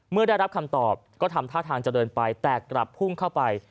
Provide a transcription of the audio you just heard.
เมื่อได้รับคำตอบก็ทำท่าทางจะเดินไปแต่กลับพุ่งเข้าไป